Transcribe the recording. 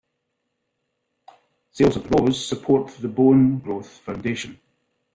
Sales of the rose support the Bone Growth Foundation.